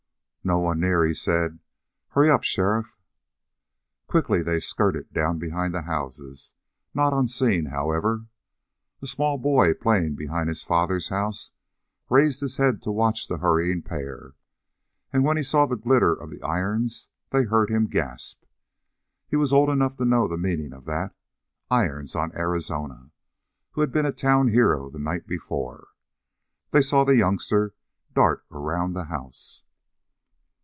"No one near!" he said. "Hurry up, sheriff." Quickly they skirted down behind the houses not unseen, however. A small boy playing behind his father's house raised his head to watch the hurrying pair, and when he saw the glitter of the irons, they heard him gasp. He was old enough to know the meaning of that. Irons on Arizona, who had been a town hero the night before! They saw the youngster dart around the house.